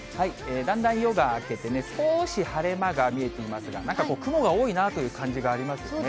だんだん夜が明けてね、少し晴れ間が見えていますが、なんか雲が多いなという感じがありますよね。